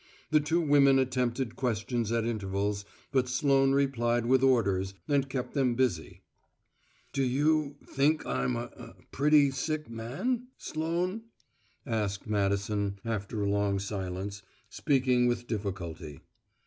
The two women attempted questions at intervals, but Sloane replied with orders, and kept them busy. "Do you think I'm a a pretty sick man, Sloane?" asked Madison after a long silence, speaking with difficulty.